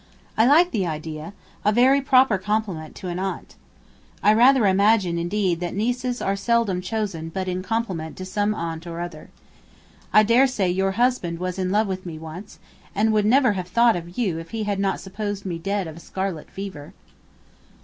I like the idea; a very proper compliment to an aunt! I rather imagine, indeed, that nieces are seldom chosen but in compliment to some aunt or other. I dare say your husband was in love with me once, and would never have thought of you if he had not supposed me dead of a scarlet fever.'